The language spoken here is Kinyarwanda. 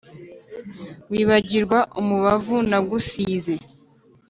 Wibagirwa umubavu nagusize